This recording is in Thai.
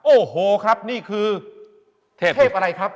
โอ้โหครับนี่คือเทพอะไรครับ